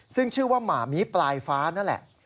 ซึ่งชื่อว่าหมามีปลายฟ้านั่นแหละ